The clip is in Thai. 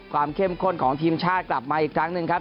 เข้มข้นของทีมชาติกลับมาอีกครั้งหนึ่งครับ